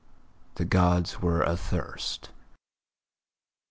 The Gods were athirst.